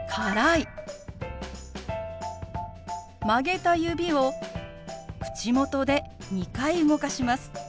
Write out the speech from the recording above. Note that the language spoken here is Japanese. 曲げた指を口元で２回動かします。